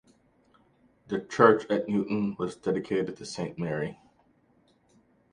The church at Newton was dedicated to St Mary.